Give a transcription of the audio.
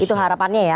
itu harapannya ya